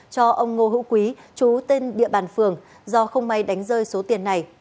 cho ông ngô hữu quý chú tên địa bàn phường do không may đánh rơi số tiền này